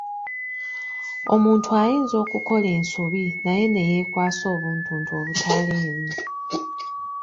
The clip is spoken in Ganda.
Omuntu ayinza okukola ensobi naye neyeekwasa obuntuntu obutaliimu.